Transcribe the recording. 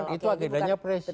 itu agendanya presiden